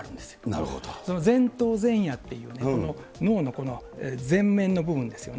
前頭前野っていうね、この脳のこの前面の部分ですよね。